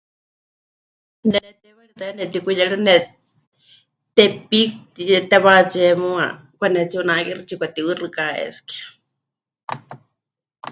Ne teiwaritɨ́a ya nemɨtikuyerɨne Tepic mɨtiyetewátsie muuwa kwanetsiunakixɨ, tsipɨkatiuxɨká es que.